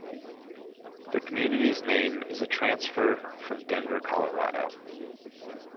The community's name is a transfer from Denver, Colorado.